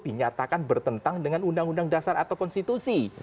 dinyatakan bertentang dengan undang undang dasar atau konstitusi